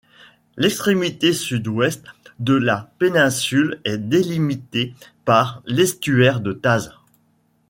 L'extrémité sud-ouest de la péninsule est délimitée par l'estuaire de Taz.